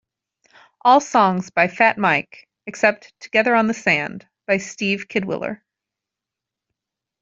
All songs by Fat Mike except "Together on the Sand" by Steve Kidwiller.